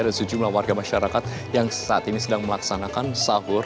ada sejumlah warga masyarakat yang saat ini sedang melaksanakan sahur